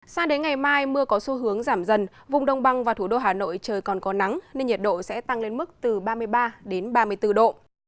sao đến ngày mai mưa có xu hướng giảm dần vùng đông băng và thủ đô hà nội trời còn có nắng nên nhiệt độ sẽ tăng lên mức từ ba mươi ba đến ba mươi bốn độ